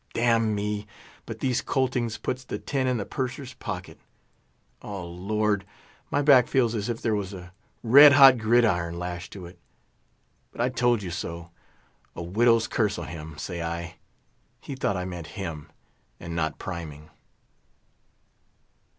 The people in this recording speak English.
Damn me, but these coltings puts the tin in the Purser's pocket. O Lord! my back feels as if there was a red hot gridiron lashed to it. But I told you so—a widow's curse on him, say I—he thought I meant him, and not Priming."